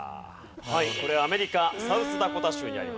これアメリカサウスダコタ州にあります